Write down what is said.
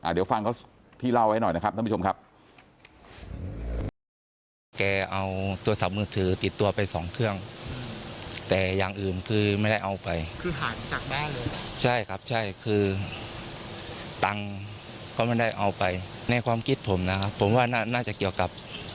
เดี๋ยวฟังเขาที่เล่าไว้หน่อยนะครับท่านผู้ชมครับ